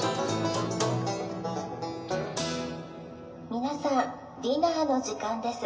皆さんディナーの時間です。